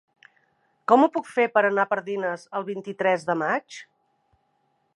Com ho puc fer per anar a Pardines el vint-i-tres de maig?